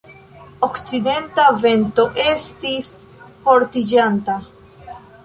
Okcidenta vento estis fortiĝanta.